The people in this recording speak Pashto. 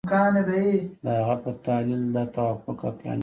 د هغه په تحلیل دا توافق عقلاني دی.